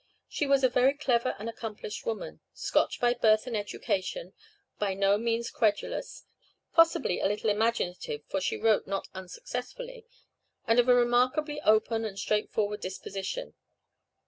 She was a very clever and accomplished woman; Scotch by birth and education; by no means credulous; possibly a little imaginative, for she wrote not unsuccessfully; and of a remarkably open and straightforward disposition.